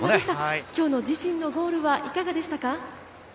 今日の自身のゴールはいかがでしたか？